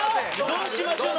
どうしましょう？